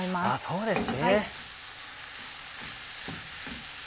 そうですね。